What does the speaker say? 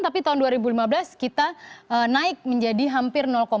tapi tahun dua ribu lima belas kita naik menjadi hampir